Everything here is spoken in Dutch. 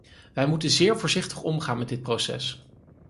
Wij moeten zeer voorzichtig omgaan met dit proces.